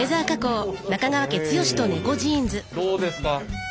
どうですか？